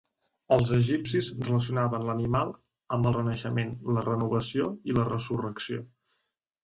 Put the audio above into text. Els egipcis relacionaven l'animal amb el renaixement, la renovació i la resurrecció.